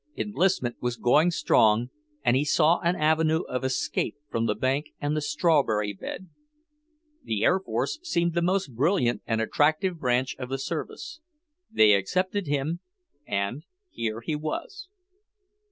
Enlistment was going strong, and he saw an avenue of escape from the bank and the strawberry bed. The air force seemed the most brilliant and attractive branch of the service. They accepted him, and here he was.